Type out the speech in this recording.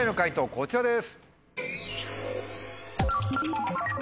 こちらです。